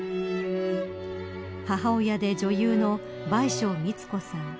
母親で女優の倍賞美津子さん。